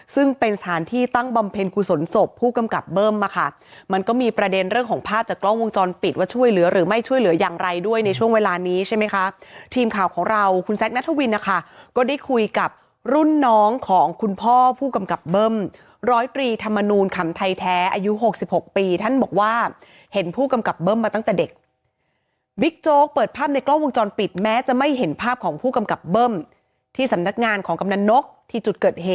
ซึ่งเป็นสถานที่ตั้งบำเพลงกุศลศพผู้กำกับเบิ้มมาค่ะมันก็มีประเด็นเรื่องของภาพจากกล้องวงจรปิดว่าช่วยเหลือหรือไม่ช่วยเหลือยังไรด้วยในช่วงเวลานี้ใช่ไหมค่ะทีมข่าวของเราคุณแซคนัทวินนะคะก็ได้คุยกับรุ่นน้องของคุณพ่อผู้กำกับเบิ้มร้อยปรีธรรมนูนคำไทยแท้อายุหกสิบห